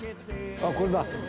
あっこれだ。